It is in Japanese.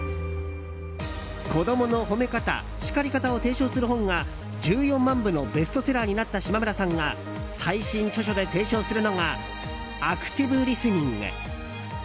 子供の褒め方、叱り方を提唱する本が１４万部のベストセラーになった島村さんが最新著書で提唱した本がアクティブリスニング。